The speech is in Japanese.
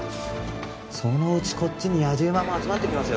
そのうちこっちにやじ馬も集まってきますよ